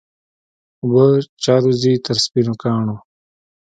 اوبه جاروزي تر سپینو کاڼو